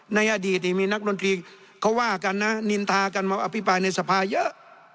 ในอดีตมีนักดนตรีเขาว่ากันนะนินทากันมาอภิปรายในสภาเยอะ